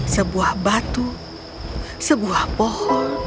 sebuah batu sebuah pohon